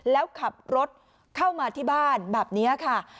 แล้วขับรถเข้ามาที่บ้านแบบนี้ค่ะ